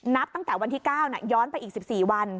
นับตั้งแต่วันที่๙ย้อนไปอีก๑๔วัน